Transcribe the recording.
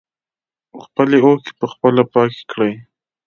خپلې اوښکې په خپله پاکې کړئ.